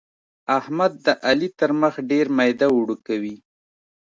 احمد د علي تر مخ ډېر ميده اوړه کوي.